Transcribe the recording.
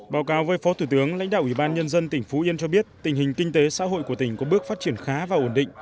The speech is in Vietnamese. báo cáo với phó thủ tướng lãnh đạo ủy ban nhân dân tỉnh phú yên cho biết tình hình kinh tế xã hội của tỉnh có bước phát triển khá và ổn định